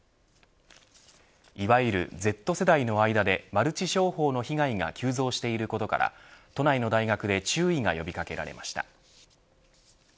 いわゆるＺ世代の間でマルチ商法の被害が急増していることから都内の大学で注意が呼び掛けられました。